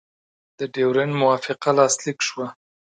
د ډیورنډ موافقه لاسلیک شوه.